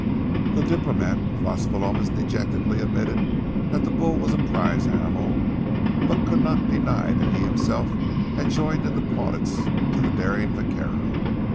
The diplomat of Las Palomas dejectedly admitted that the bull was a prize animal, but could not deny that he himself had joined in the plaudits to the daring vaquero.